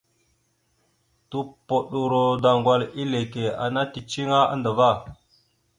Tupoɗoro daŋgwal eleke ana ticiŋa andəva.